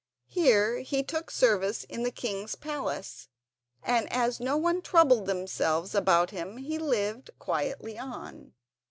Here he took service in the king's palace, and as no one troubled themselves about him he lived quietly on.